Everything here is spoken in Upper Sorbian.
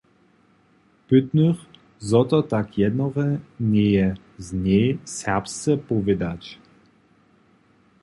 Pytnych, zo to tak jednore njeje z njej serbsce powědać.